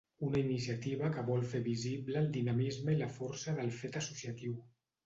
Una iniciativa que vol fer visible el dinamisme i la força del fet associatiu.